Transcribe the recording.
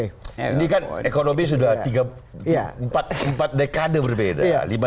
ini kan ekonomi sudah empat dekade berbeda